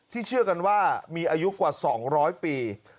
เชื่อกันว่ามีอายุกว่า๒๐๐ปี